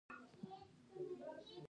وروسته مې د مازديګر فرض ادا کړ.